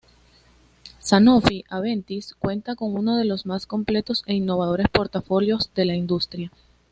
Sanofi-Aventis cuenta con uno de los más completos e innovadores portafolios de la industria.